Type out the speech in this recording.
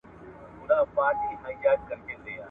ډیپلوماسي باید د هېواد د ملي ګټو د دفاع سنګر وي.